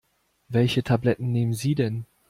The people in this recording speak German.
Welche Tabletten nehmen Sie denn?